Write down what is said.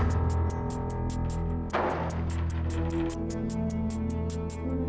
saya ingin tahu apa yang kamu lakukan